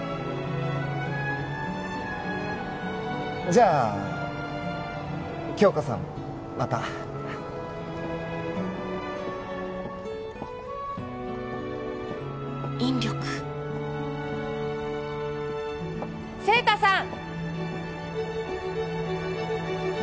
じゃあ杏花さんまた引力晴太さん！